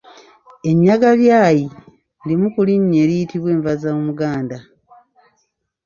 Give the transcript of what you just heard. Ennyagabyayi limu ku linnya eriyitibwa enva z’omuganda.